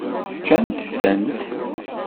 Ččant-tent?